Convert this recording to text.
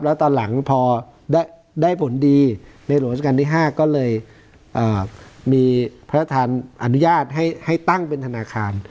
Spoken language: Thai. แล้วตอนหลังพอได้ผลดีในหลวงราชการที่๕ก็เลยมีพระราชทานอนุญาตให้ตั้งเป็นธนาคาร